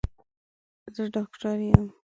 زه ډاکټر يم.